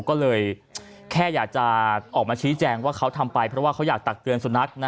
ก็เลยแค่อยากจะออกมาชี้แจงว่าเขาทำไปเพราะว่าเขาอยากตักเตือนสุนัข